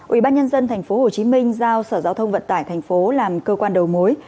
ủy ban nhân dân thành phố hồ chí minh giao sở giao thông vận tải thành phố làm cơ quan đầu mối